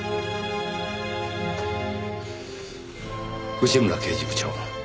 内村刑事部長。